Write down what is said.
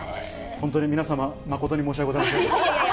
本当に皆様、誠に申し訳ございえいえ。